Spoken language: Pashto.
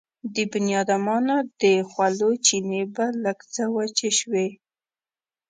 د بنيادمانو د خولو چينې به لږ څه وچې شوې.